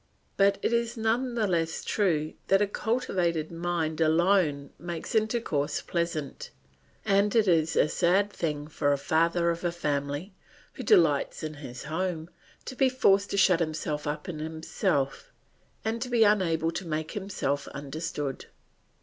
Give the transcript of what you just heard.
But it is none the less true that a cultivated mind alone makes intercourse pleasant, and it is a sad thing for a father of a family, who delights in his home, to be forced to shut himself up in himself and to be unable to make himself understood.